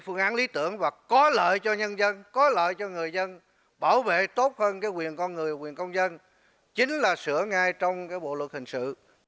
phương án lý tưởng và có lợi cho nhân dân có lợi cho người dân bảo vệ tốt hơn quyền con người quyền công dân chính là sửa ngay trong bộ luật hình sự